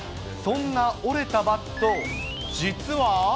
そんな折れたバットを実は。